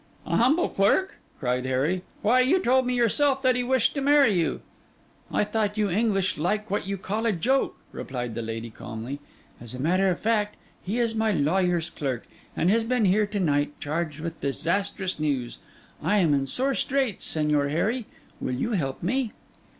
'A humble clerk!' cried Harry, 'why, you told me yourself that he wished to marry you!' 'I thought you English like what you call a joke,' replied the lady calmly. 'As a matter of fact, he is my lawyer's clerk, and has been here to night charged with disastrous news. I am in sore straits, Señor Harry. Will you help me?